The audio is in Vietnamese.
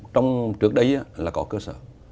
trong trước đấy là có cơ sở